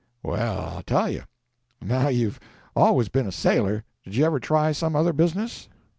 "Well, I'll tell you. Now you've always been a sailor; did you ever try some other business?"